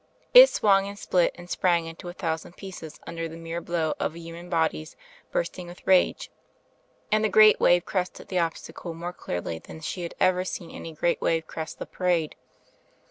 It swimg and Digitized by CjOOQIC 3i8 THE FLYING INN split and sprang into a thousand pieces under the mere blow of human bodies bursting with rage ; and the great wave crested the obstacle more clearly than she had ever seen any great wave crest the parade.